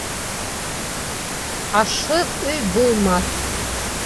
Ашһыҙ өй булмаҫ.